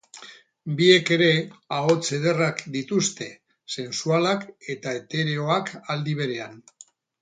Biek ere ahots ederrak dituzte, sensualak eta etereoak aldi berean.